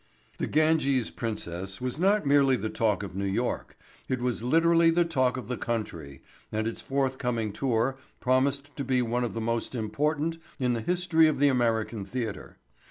"The Ganges Princess" was not merely the talk of New York. It was literally the talk of the country and its forthcoming tour promised to be one of the most important in the history of the American theatre.